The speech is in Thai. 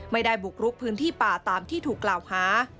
ไม่ได้บุกรุกพื้นที่ป่าตามที่ถูกกล่าวหา